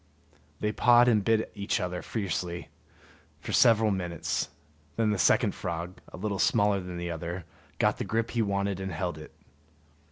They pawed and bit each other fiercely for several minutes; then the second frog, a little smaller than the other, got the grip he wanted and held it.